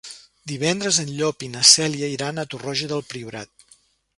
Divendres en Llop i na Cèlia iran a Torroja del Priorat.